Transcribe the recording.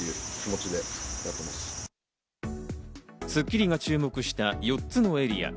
『スッキリ』が注目した４つのエリア。